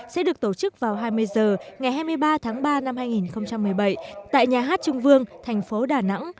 sẽ được tổ chức vào hai mươi h ngày hai mươi ba tháng ba năm hai nghìn một mươi bảy tại nhà hát trưng vương thành phố đà nẵng